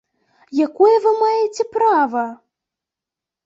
Якое вы маеце права?